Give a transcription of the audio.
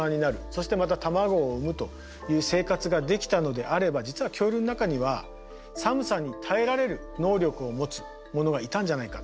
そしてまた卵を産むという生活ができたのであれば実は恐竜の中には寒さに耐えられる能力を持つものがいたんじゃないか。